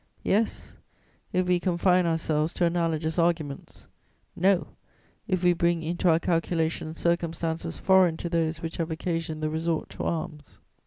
Yes, if we confine ourselves to analogous arguments; no, if we bring into our calculations circumstances foreign to those which have occasioned the resort to arms.